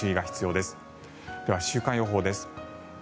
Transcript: では、週間予報です。